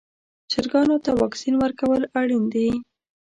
چرګانو ته واکسین ورکول اړین دي.